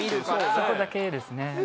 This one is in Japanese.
そこだけですね。